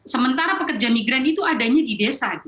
sementara pekerja migran itu adanya di desa